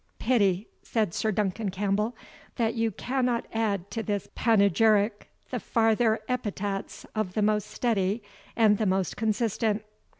"Pity," said Sir Duncan Campbell, "that you cannot add to this panegyric the farther epithets of the most steady, and the most consistent.